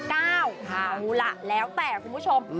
เอาล่ะแล้วแต่คุณผู้ชม